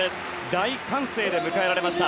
大歓声で迎えられました。